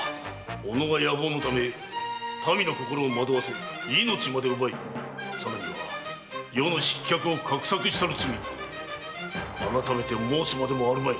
おのが野望のため民の心を惑わせ命まで奪いさらには余の失脚を画策したる罪改めて申すまでもあるまい。